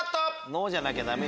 ノーじゃなきゃダメ